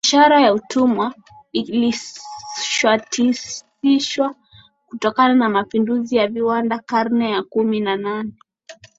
Biashara ya utumwa ilishasitishwa kutokana na mapinduzi ya viwanda karne ya kumi na nane